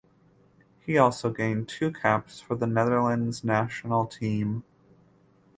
He also gained two caps for the Netherlands national team.